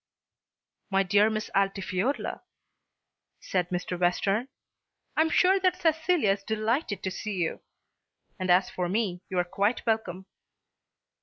"My dear Miss Altifiorla," said Mr. Western, "I am sure that Cecilia is delighted to see you. And as for me, you are quite welcome."